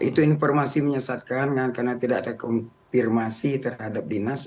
itu informasi menyesatkan karena tidak ada konfirmasi terhadap dinas